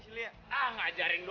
silahkan ya udah dihasilin